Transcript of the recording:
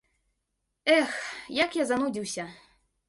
Эх, як я занудзіўся.